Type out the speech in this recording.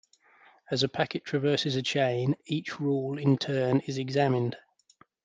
As a packet traverses a chain, each rule in turn is examined.